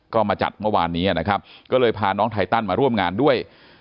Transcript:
ก็มาจัดเมื่อวานนี้นะครับก็เลยพาน้องไทตันมาร่วมงานด้วย